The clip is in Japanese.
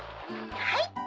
「はい。